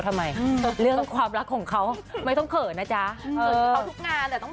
แต่ถามว่าตอนนี้มันก็